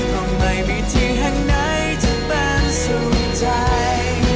ก็ไม่มีที่แห่งไหนจะเป็นสุขใจ